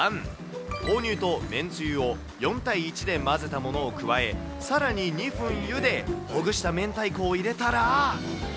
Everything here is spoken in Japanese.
豆乳とめんつゆを４対１で混ぜたものを加え、さらに２分ゆで、ほぐした明太子を入れたら。